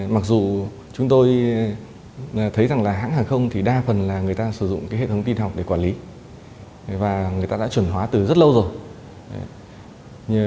mặc dù chúng tôi thấy rằng là hãng hàng không thì đa phần là người ta sử dụng cái hệ thống tin học để quản lý và người ta đã chuẩn hóa từ rất lâu rồi